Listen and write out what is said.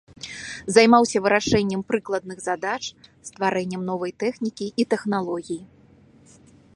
Займаўся вырашэннем прыкладных задач, стварэннем новай тэхнікі і тэхналогій.